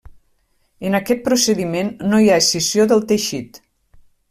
En aquest procediment no hi ha escissió del teixit.